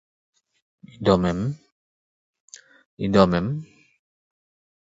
The chorus is sample recorded from a live audience.